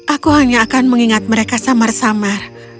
aku hanya akan mengingat mereka samar samar